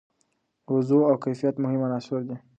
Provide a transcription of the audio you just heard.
وضوح او کیفیت مهم عناصر دي.